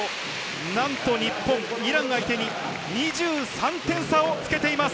なんと日本、イランを相手に２３点差をつけています。